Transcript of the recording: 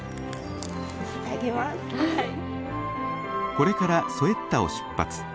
これからソエッタを出発。